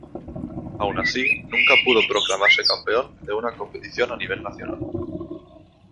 Aun así, nunca pudo proclamarse campeón de una competición a nivel nacional.